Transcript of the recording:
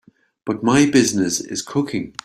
But my business is cooking.